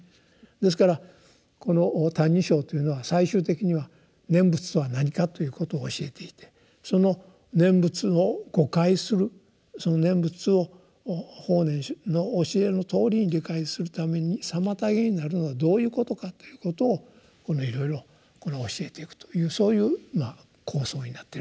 ですからこの「歎異抄」というのは最終的には「念仏とは何か」ということを教えていてその念仏を誤解するその念仏を法然の教えのとおりに理解するために妨げになるのはどういうことかということをいろいろ教えていくというそういう構想になってるわけですね。